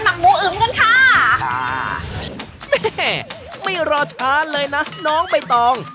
หมูอึมกันค่ะค่ะแม่ไม่รอช้าเลยนะน้องใบตอง